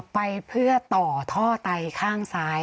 ไปเพื่อต่อท่อไตข้างซ้าย